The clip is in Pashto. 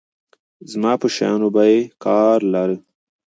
زما په شيانو به يې کار لاره.